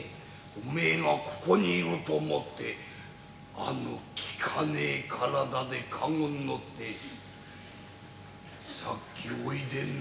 おめえがここにいると思ってあの利かねえ体で駕籠に乗ってさっきおいでになったんだよ。